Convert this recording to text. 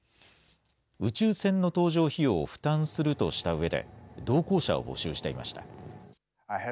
宇宙船の搭乗費用を負担するとしたうえで、同行者を募集していました。